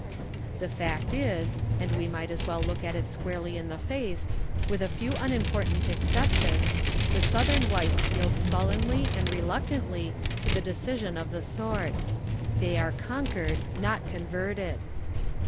The fact is, and we might as well look it squarely in the face, with a few unimportant exceptions, the Southern whites yield sullenly and reluctantly to the decision of the sword. They are conquered, not converted.